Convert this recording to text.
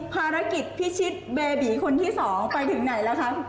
ภารกิจพิชิตเบบีคนที่๒ไปถึงไหนแล้วคะ